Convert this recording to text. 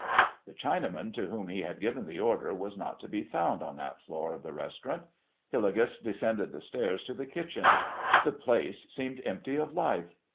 The Chinaman to whom he had given the order was not to be found on that floor of the restaurant. Hillegas descended the stairs to the kitchen. The place seemed empty of life.